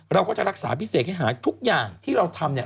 เราก็จะรักษาพิเศษให้หายทุกอย่างที่เราทำเนี่ย